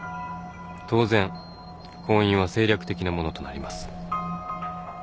当然婚姻は政略的なものとなります。